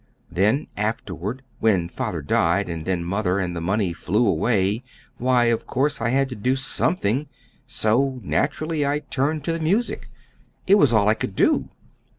Then afterward, when father died, and then mother, and the money flew away, why, of course I had to do something, so naturally I turned to the music. It was all I could do.